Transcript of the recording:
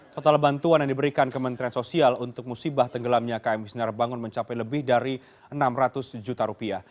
total bantuan yang diberikan kementerian sosial untuk musibah tenggelamnya km sinar bangun mencapai lebih dari enam ratus juta rupiah